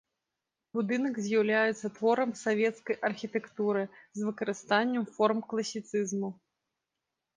Будынак з'яўляецца творам савецкай архітэктуры з выкарыстаннем форм класіцызму.